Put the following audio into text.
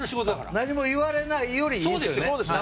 何も言われないよりいいですよね。